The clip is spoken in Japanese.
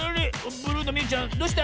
ブルーのみゆちゃんどうした？